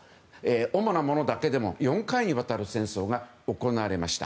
主なものだけでも４回にわたる戦争が行われました。